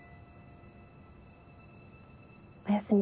おやすみ。